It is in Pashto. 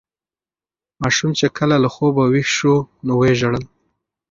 ماشوم چې کله له خوبه ویښ شو نو ویې ژړل.